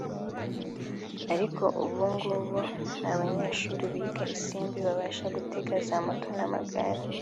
ariko ubu ngubu n’abanyeshuri biga i Simbi babasha gutega za moto n’amagare